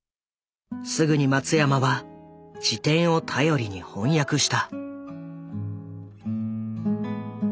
すぐに松山は辞典を頼りに翻訳した。